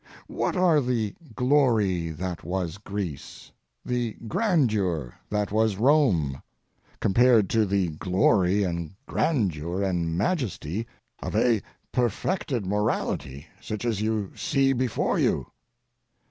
What are the glory that was Greece, the grandeur that was Rome, compared to the glory and grandeur and majesty of a perfected morality such as you see before you?